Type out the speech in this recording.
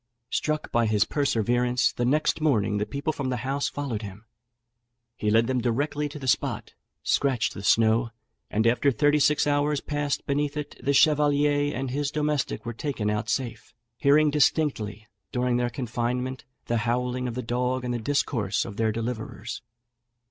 Struck by his perseverance, the next morning the people from the house followed him; he led them directly to the spot, scratched the snow, and after thirty six hours passed beneath it, the chevalier and his domestic were taken out safe, hearing distinctly during their confinement the howling of the dog and the discourse of their deliverers.